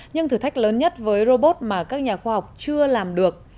nhưng thử thách lớn nhất với robot mà các nhà khoa học chưa làm được